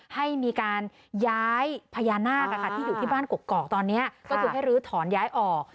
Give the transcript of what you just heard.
ให้มีการย้ายพญานาคที่อยู่ที่บ้านกกอกตอนนี้ก็คือให้ลื้อถอนย้ายออก